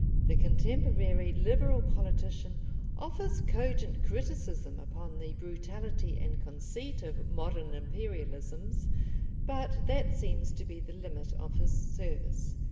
The contemporary Liberal politician offers cogent criticism upon the brutality and conceit of modern imperialisms, but that seems to be the limit of his service.